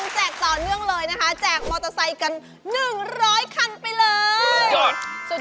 แจกต่อเนื่องเลยนะคะแจกมอเตอร์ไซค์กัน๑๐๐คันไปเลย